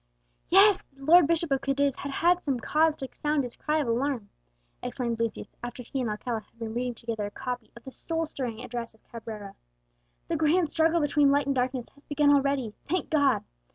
"Yes, the Lord Bishop of Cadiz had some cause to sound his cry of alarm!" exclaimed Lucius, after he and Alcala had been reading together a copy of the soul stirring address of Cabrera. "The grand struggle between light and darkness has begun already, thank God!